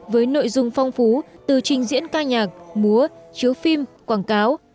với nội dung phong phú từ trình diễn ca nhạc múa chiếu phim quảng cáo